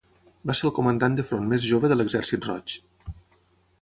Va ser el comandant de front més jove de l'Exèrcit Roig.